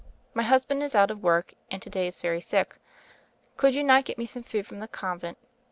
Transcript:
My husband is out of work, and to day is very sick. Could you not get me some food from the Convent?